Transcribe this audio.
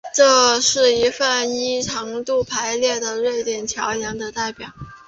这是一份依长度排列的瑞典桥梁的列表